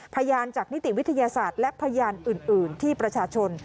พยานจากนิติวิทยาศาสตร์และพยานอื่นที่ประชาชน